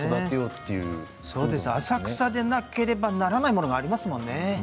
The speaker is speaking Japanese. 浅草でなければならないものもありますよね。